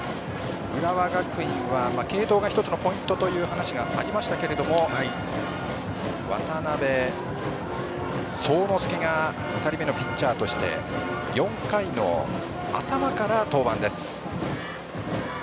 浦和学院は継投が一つのポイントという話がありましたけど渡邉聡之介が２人目のピッチャーとして４回の頭から登板です。